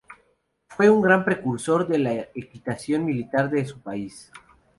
Fue un gran precursor de la equitación militar de su país.